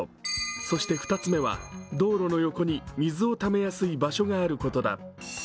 そして２つ目は、道路の横に水をためやすい場所があることだ。